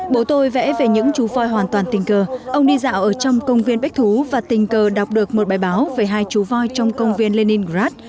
bố tôi vẽ về những chú voi hoàn toàn tình cờ ông đi dạo ở trong công viên bách thú và tình cờ đọc được một bài báo về hai chú voi trong công viên leningrad